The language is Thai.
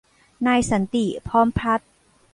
นายสันติ พร้อมพัฒน์